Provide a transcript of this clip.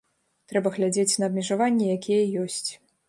Трэба глядзець на абмежаванні, якія ёсць.